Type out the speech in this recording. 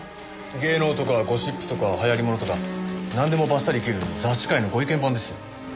芸能とかゴシップとか流行りものとかなんでもバッサリ斬る雑誌界のご意見番ですよ。